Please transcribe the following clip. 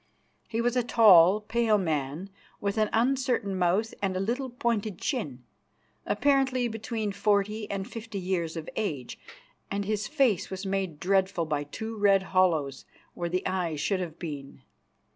He was a tall, pale man, with an uncertain mouth and a little pointed chin, apparently between forty and fifty years of age, and his face was made dreadful by two red hollows where the eyes should have been.